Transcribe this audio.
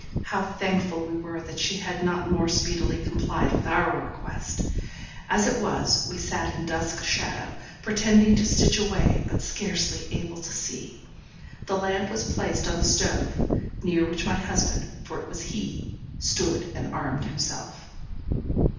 How thankful we were that she had not more speedily complied with our request! As it was, we sat in dusk shadow, pretending to stitch away, but scarcely able to see. The lamp was placed on the stove, near which my husband, for it was he, stood and warmed himself.